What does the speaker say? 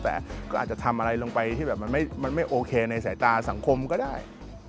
แต่ก็อาจจะทำอะไรลงไปที่แบบมันไม่โอเคในสายตาสังคมก็ได้